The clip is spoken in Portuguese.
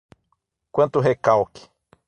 Quanto recalque